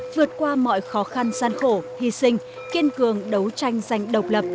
vượt qua mọi khó khăn gian khổ hy sinh kiên cường đấu tranh giành độc lập